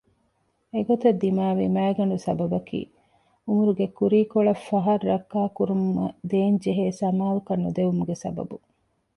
އެގޮތަށް ދިމާވި މައިގަނޑު ސަބަބަކީ ޢުމުރުގެ ކުރީ ކޮޅު ފަހަށް ރައްކާކުރުމަށް ދޭންޖެހޭ ސަމާލުކަން ނުދެވުމުގެ ސަބަބުން